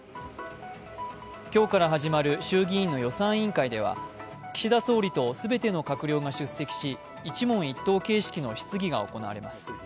今日から始まる衆議院の予算委員会では岸田総理と全ての閣僚が出席し、一問一答形式の質疑が行われます。